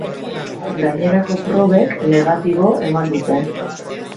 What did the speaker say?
Gainerako probek negatibo eman dute.